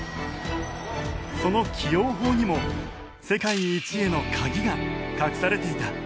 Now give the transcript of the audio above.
その起用法にも世界一へのカギが隠されていた。